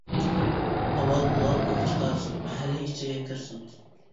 ئاۋۋال ئۇلار ئوق چىقارسۇن، مەھەللە ئىچىگە كىرسۇن.